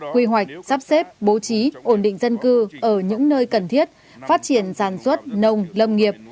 quy hoạch sắp xếp bố trí ổn định dân cư ở những nơi cần thiết phát triển sản xuất nông lâm nghiệp